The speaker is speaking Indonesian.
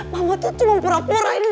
mama tuh cuma pura pura ini